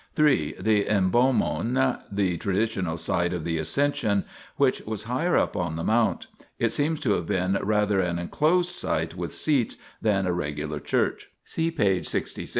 The hnbomon (iv pa)/u<jj)* the traditional site of the Ascension, which was higher up on the Mount. It seems to have been rather an enclosed site with seats than a regular church (see p. 66). 4.